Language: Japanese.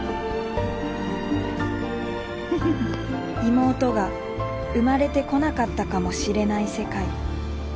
妹が生まれてこなかったかもしれない世界。